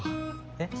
えっ？